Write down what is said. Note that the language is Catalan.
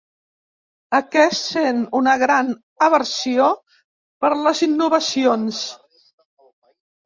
Aquest sent una gran aversió per les innovacions.